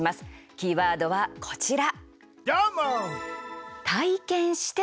キーワードは、こちら。